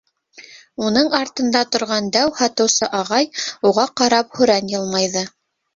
Уның артында торған дәү һатыусы ағай уға ҡарап һүрән йылмайҙы.